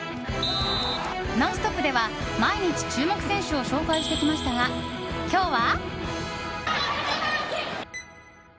「ノンストップ！」では毎日、注目選手を紹介してきましたが、今日は。